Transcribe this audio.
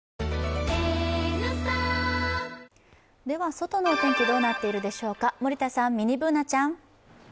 外のお天気どうなってるでしょうか森田さん、ミニＢｏｏｎａちゃん。